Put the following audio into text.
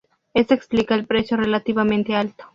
Esto explica el precio relativamente alto.